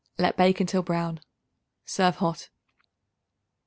Let bake until brown. Serve hot.